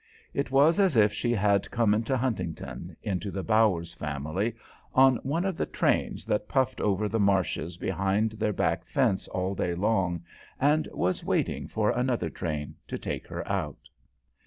It was as if she had come into Huntington, into the Bowers family, on one of the trains that puffed over the marshes behind their back fence all day long, and was waiting for another train to take her out.